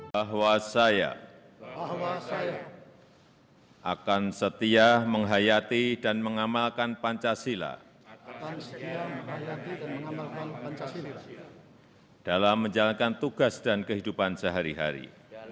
bahwa saya bahwa saya akan setia menghayati dan mengamalkan pancasila dalam menjalankan tugas dan kehidupan sehari hari